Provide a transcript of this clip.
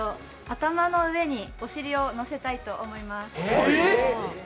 頭の上にお尻を乗せたいと思います。